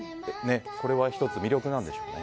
これは１つ魅力なんでしょうね。